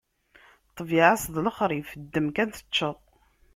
Ṭṭbiɛa-s d lexṛif, ddem kan teččeḍ!